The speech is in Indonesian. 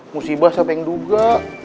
musibah siapa yang duga